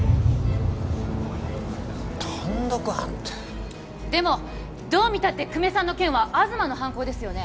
単独犯ってでもどう見たって久米さんの件は東の犯行ですよね